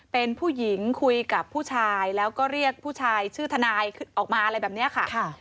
เป็นผู้หญิงคุยกับผู้ชายแล้วก็เรียกผู้ชายชื่อทนายออกมาอะไรแบบนี้ค่ะ